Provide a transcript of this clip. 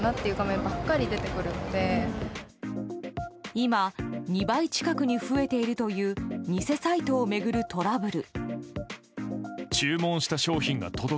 今、２倍近くに増えているという偽サイトを巡るトラブル。